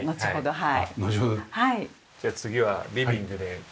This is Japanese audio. はい。